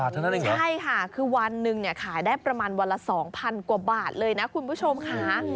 ใช่ค่ะคือวันหนึ่งเนี่ยขายได้ประมาณวันละ๒๐๐กว่าบาทเลยนะคุณผู้ชมค่ะ